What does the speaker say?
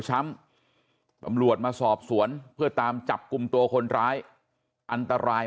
ตำรวจมาสอบสวนเพื่อตามจับกลุ่มตัวคนร้ายอันตราย